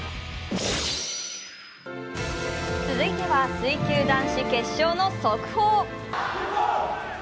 続いては水球男子決勝の速報。